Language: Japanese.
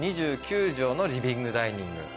２９帖のリビングダイニング。